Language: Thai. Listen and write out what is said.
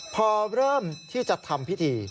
พอเริ่มที่จะทำพิธี